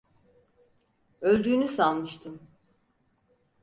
Öldüğünü sanmıştım.